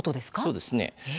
そうです。